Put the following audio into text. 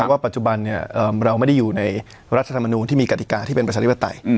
ว่าปัจจุบันเราไม่ได้อยู่ในรัฐธรรมนูลที่มีกฎิกาที่เป็นประชาธิปไตย